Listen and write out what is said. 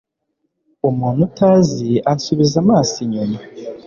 Umuntu utazi ansubiza amaso inyuma